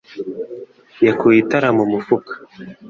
yakuye itara mu mufuka.